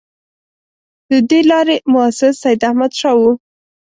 د دې لارې مؤسس سیداحمدشاه وو.